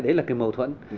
đấy là cái mâu thuẫn